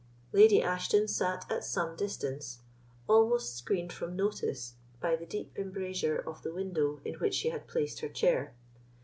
Lady Ashton sat at some distance, almost screened from notice by the deep embrasure of the window in which she had placed her chair.